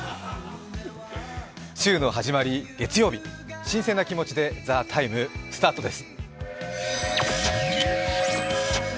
週の始まり、月曜日、新鮮な気持ちで「ＴＨＥＴＩＭＥ，」スタートです。